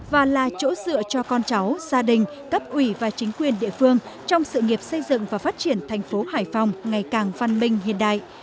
và là chỗ dựa cho con cháu gia đình cấp ủy và chính quyền địa phương trong sự nghiệp xây dựng và phát triển thành phố hải phòng ngày càng văn minh hiện đại